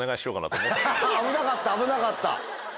危なかった危なかった。